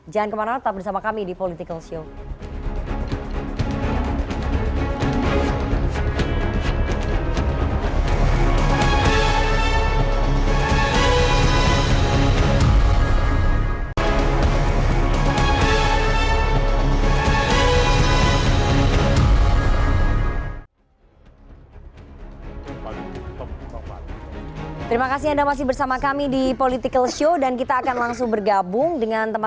jangan kemana mana tetap bersama kami di political show